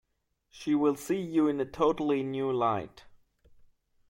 She will see you in a totally new light.